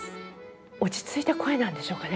落ち着いた声なんでしょうかねこれ。